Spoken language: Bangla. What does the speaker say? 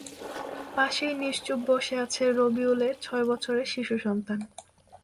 পাশেই নিশ্চুপ বসে আছে রবিউলের ছয় বছরের শিশুসন্তান।